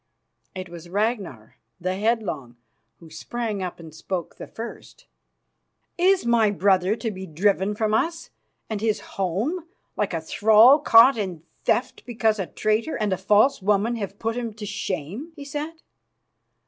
It was Ragnar, the headlong, who sprang up and spoke the first. "Is my brother to be driven from us and his home like a thrall caught in theft because a traitor and a false woman have put him to shame?" he said.